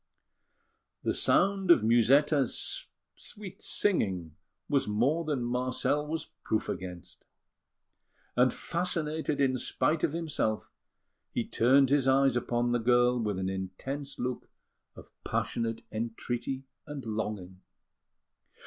The sound of Musetta's sweet singing was more than Marcel was proof against; and, fascinated in spite of himself, he turned his eyes upon the girl with an intense look of passionate entreaty and longing.